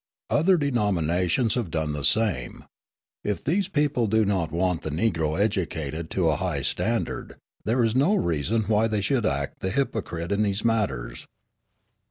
Other denominations have done the same. If these people do not want the Negro educated to a high standard, there is no reason why they should act the hypocrite in these matters.